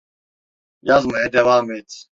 Yazmaya devam et.